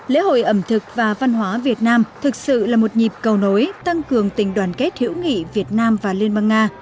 lễ hội ẩm thực và văn hóa việt nam thực sự là một nhịp cầu nối tăng cường tình đoàn kết hữu nghị việt nam và liên bang nga